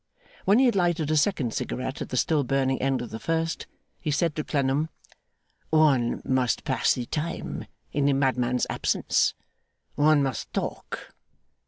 When he had lighted a second cigarette at the still burning end of the first, he said to Clennam: 'One must pass the time in the madman's absence. One must talk.